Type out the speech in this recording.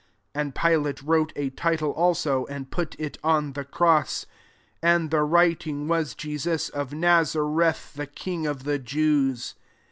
19 And Pilate wrote a title also, and put it on the cross : and the writing was jesus of nazarbth, THE KINO of the JEWS.